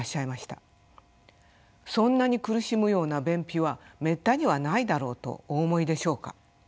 そんなに苦しむような便秘はめったにはないだろうとお思いでしょうか。